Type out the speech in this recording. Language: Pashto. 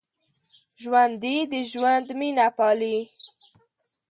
ژوندي د ژوند مینه پالي